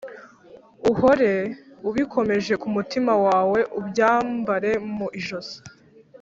uhore ubikomeje ku mutima wawe, ubyambare mu ijosi